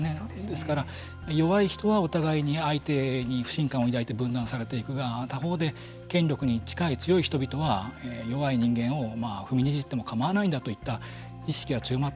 ですから弱い人はお互いに相手に不信感を抱いて分断されていくが他方で権力に近い強い人々は弱い人間を踏みにじっても構わないんだといった意識が強まっているんじゃないか。